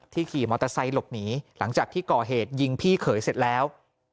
ขี่มอเตอร์ไซค์หลบหนีหลังจากที่ก่อเหตุยิงพี่เขยเสร็จแล้ว